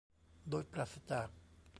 โดยปราศจาก